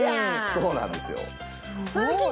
そうなんです。